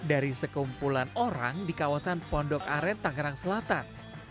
dari sekumpulan orang di kawasan pondok aren tangerang selatan